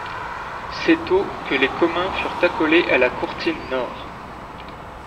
C'est au que les communs furent accolés à la courtine nord.